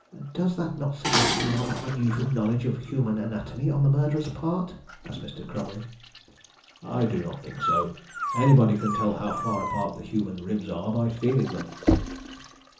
"Does not that suggest a rather unusual knowledge of human anatomy on the murderer's part?" asked Mr. Cromering. "I do not think so. Anybody can tell how far apart the human ribs are by feeling them."